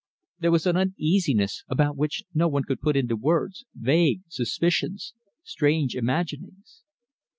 There was an uneasiness about which no one could put into words, vague suspicions, strange imaginings.